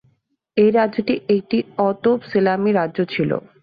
এই রাজ্যটি একটি অ-তোপ সেলামী রাজ্য ছিল।